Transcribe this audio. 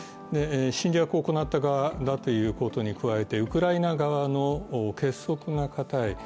侵略を行った側だということに加えてウクライナ側の結束が固い、